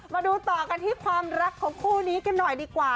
มาดูต่อกันที่ความรักของคู่นี้กันหน่อยดีกว่า